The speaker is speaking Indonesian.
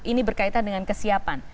ini berkaitan dengan kesiapan